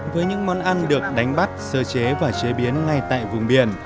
với những món ăn được đánh bắt sơ chế và chế biến ngay tại vùng biển